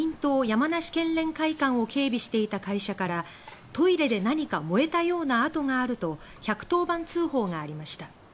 山梨県連会館を警備していた会社から「トイレで何か燃えたような跡がある」と１１０番通報がありました。